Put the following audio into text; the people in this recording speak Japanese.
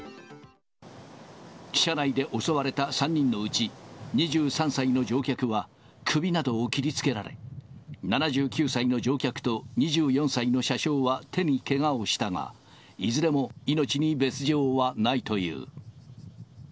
車内で襲われた３人のうち、２３歳の乗客は首などを切りつけられ、７９歳の乗客と２４歳の車掌は手にけがをしたが、いずれも命に別状はないという。